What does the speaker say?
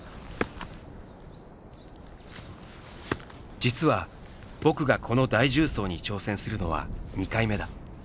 実は「僕」がこの大縦走に挑戦するのは２回目だ。